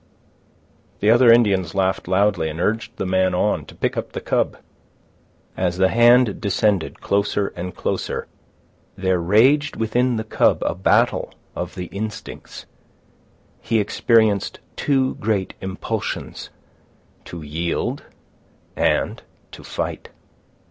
The other Indians laughed loudly, and urged the man on to pick up the cub. As the hand descended closer and closer, there raged within the cub a battle of the instincts. He experienced two great impulsions—to yield and to fight.